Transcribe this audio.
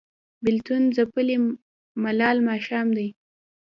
بیلتون ځپلی ملال ماښام دی